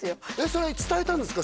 それは伝えたんですか？